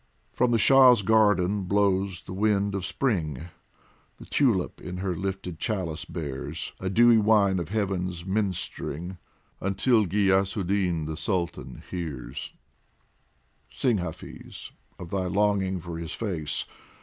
From the Shah's garden blows the wind of Spring, The tulip in her lifted chalice bears A dewy wine of Heaven's minist'ring ; Until Ghiyasuddin, the Sultan, hears, Sing, Hafiz, of thy longing for his face.